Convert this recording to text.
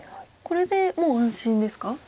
これでもう安心ですか？